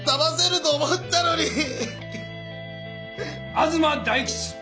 東大吉！